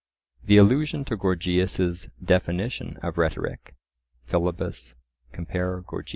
The allusion to Gorgias' definition of rhetoric (Philebus; compare Gorg.)